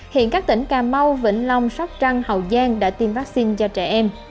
hiện các tỉnh cà mau vĩnh long sóc trăng hậu giang đã tiêm vaccine cho trẻ em